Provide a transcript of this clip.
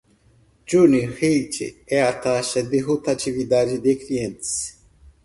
Churn Rate é a taxa de rotatividade de clientes.